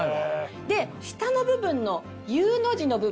下の部分のＵの字の部分